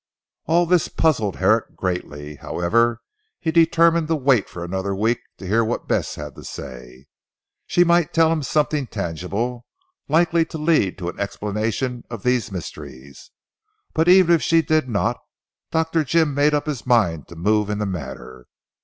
All this puzzled Herrick greatly. However, he determined to wait for another week to hear what Bess had to say. She might tell him something tangible, likely to lead to an explanation of these mysteries. But even if she did not Dr. Jim made up his mind to move in the matter.